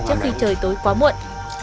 trước khi trời tối quá muộn